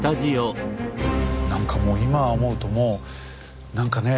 何かもう今思うともう何かね